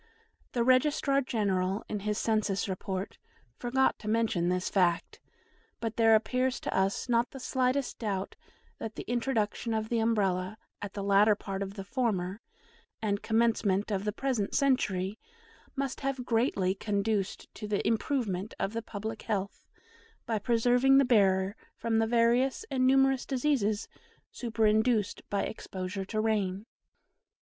The Registrar General, in his census report, forgot to mention this fact, but there appears to us not the slightest doubt that the introduction of the Umbrella at the latter part of the former, and commencement of the present century, must have greatly conduced to the improvement of the public health, by preserving the bearer from the various and numerous diseases superinduced by exposure to rain.